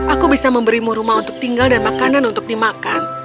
aku bisa memberimu rumah untuk tinggal dan makanan untuk dimakan